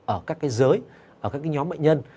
ở các cái giới ở các cái nhóm bệnh nhân